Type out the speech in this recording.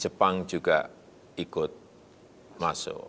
jepang juga ikut masuk